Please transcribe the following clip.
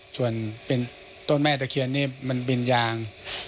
ส่วนเป็นต้นแม่ตะเคียนนี่มันเป็นยาง